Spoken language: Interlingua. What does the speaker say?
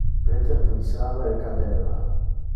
Peter glissava e cadeva